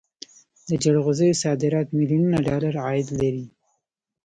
د جلغوزیو صادرات میلیونونه ډالر عاید لري